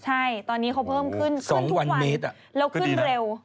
ใช่ตอนนี้เขาเพิ่มขึ้นขึ้นทุกวันแล้วขึ้นเร็ว